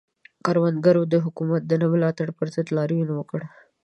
کروندګرو د حکومت د نه ملاتړ پر ضد لاریون وکړ.